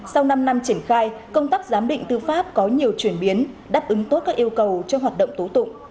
sau năm năm triển khai công tác giám định tư pháp có nhiều chuyển biến đáp ứng tốt các yêu cầu cho hoạt động tố tụng